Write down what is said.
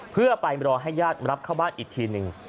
เพื่อไปรอให้ญาติรับเข้าบ้านอีกทีหนึ่ง